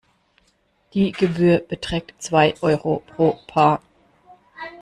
Die Gebühr beträgt zwei Euro pro Paar.